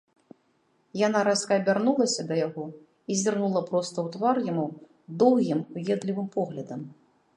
Яна рэзка абярнулася да яго і зірнула проста ў твар яму доўгім уедлівым поглядам.